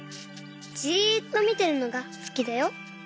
じっとみてるのがすきだよ。